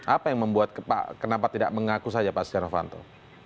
apa yang membuat kenapa tidak mengaku saja pak setia novanto